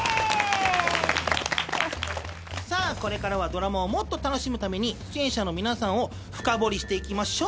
さあこれからはドラマをもっと楽しむために出演者の皆さんを深掘りしていきましょう。